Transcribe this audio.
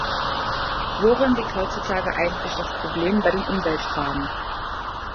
Worin liegt heutzutage eigentlich das Problem bei den Umweltfragen?